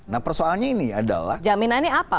nah persoalannya ini adalah jaminannya apa